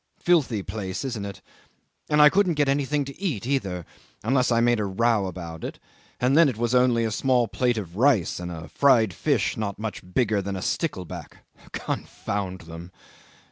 "Filthy place, isn't it? And I couldn't get anything to eat either, unless I made a row about it, and then it was only a small plate of rice and a fried fish not much bigger than a stickleback confound them!